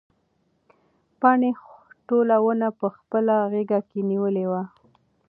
پاڼې ټوله ونه په خپله غېږ کې نیولې وه.